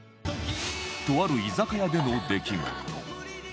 とある居酒屋での出来事